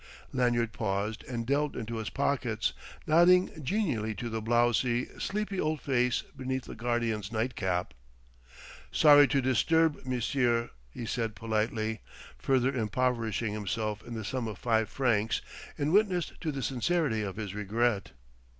Lanyard paused and delved into his pockets, nodding genially to the blowsy, sleepy old face beneath the guardian's nightcap. "Sorry to disturb monsieur," he said politely, further impoverishing himself in the sum of five francs in witness to the sincerity of his regret.